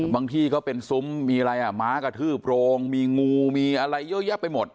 ที่เขาเป็นซุ้มมีอะไรอ่ะม้ากระทืบโรงมีงูมีอะไรเยอะแยะไปหมด